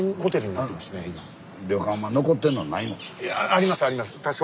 ありますあります。